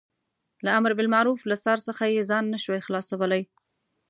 له امر بالمعروف له څار څخه یې ځان نه شوای خلاصولای.